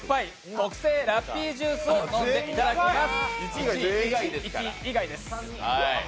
特製ラッピージュースを飲んでいただきます。